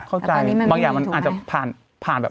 บางอย่างมันอาจจะผ่านแบบ